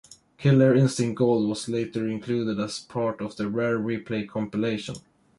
"Killer Instinct Gold" was later included as part of the "Rare Replay" compilation.